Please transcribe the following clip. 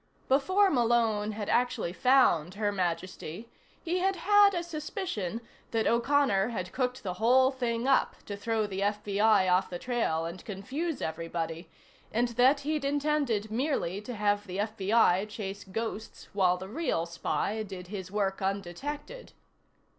Before Malone had actually found Her Majesty, he had had a suspicion that O'Connor had cooked the whole thing up to throw the FBI off the trail and confuse everybody, and that he'd intended merely to have the FBI chase ghosts while the real spy did his work undetected.